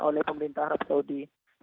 oleh pemerintah saudi